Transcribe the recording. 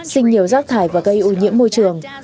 sinh nhiều rác thải và gây ô nhiễm môi trường